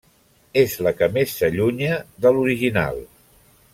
És la que més s'allunya de l'original.